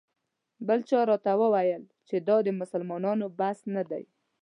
بل چا راته وویل چې دا د مسلمانانو بس نه دی.